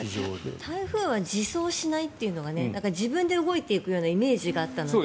台風は自走しないっていうのが自分で動いていくようなイメージがあったので。